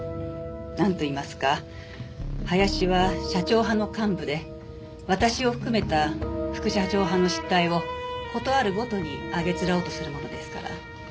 なんと言いますか林は社長派の幹部で私を含めた副社長派の失態を事あるごとに論おうとするものですから。